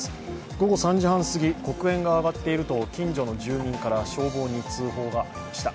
午後３時半すぎ黒煙が上がっていると近所の住民から消防に通報がありました。